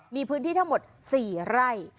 มีพื้นที่ทั้งหมด๔ไร่